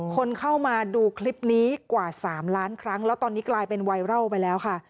คนเข้ามาดูคลิปนี้กว่า๓ล้านครั้งแล้วตอนนี้กลายเป็นไวรัลไปแล้วค่ะ